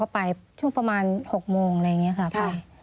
ไปช่วงประมาณ๖โมงอะไรอย่างนี้ค่ะไป